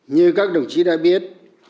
như các đồng chí đã biết